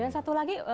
dan satu lagi